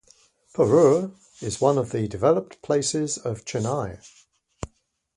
Porur is one of the developed places of Chennai.